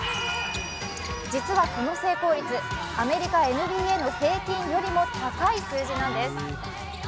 実は、この成功率、アメリカＮＢＡの平均よりも高い数字なんです